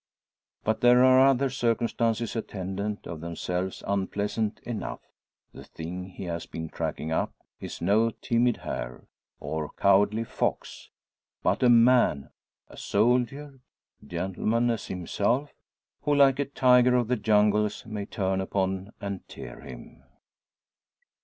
But there are other circumstances attendant, of themselves unpleasant enough. The thing he has been tracking up is no timid hare, or cowardly fox; but a man, a soldier, gentleman as himself, who, like a tiger of the jungles, may turn upon and tear him.